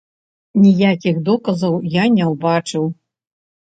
Ніякіх доказаў я не ўбачыў.